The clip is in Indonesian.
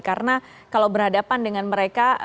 karena kalau berhadapan dengan mereka